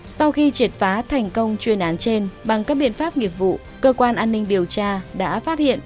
sau khi triệt phá thành công chuyên án trên bằng các biện pháp nghiệp vụ cơ quan an ninh điều tra đã phát hiện